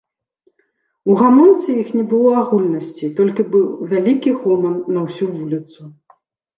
У гамонцы іх не было агульнасці, толькі быў вялікі гоман на ўсю вуліцу.